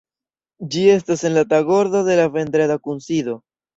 Ĝi estos en la tagordo de la vendreda kunsido.